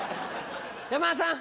山田さん